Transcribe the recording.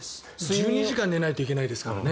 １２時間寝ないといけないですからね。